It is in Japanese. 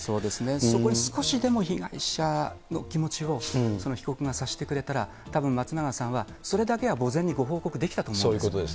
そこに少しでも被害者の気持ちを被告が察してくれたら、たぶん、松永さんはそれだけは墓前にご報告できたと思います。